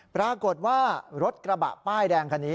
ปรากฏว่ารถกระบะป้ายแดงคันนี้